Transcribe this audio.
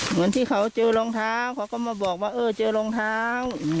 เหมือนที่เขาเจอรองเท้าเขาก็มาบอกว่าเออเจอรองเท้า